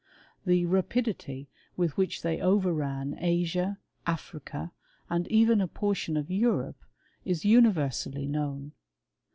The rapidity with which tkey overran Asia, Africa, and even a portion of &rope, is universally known.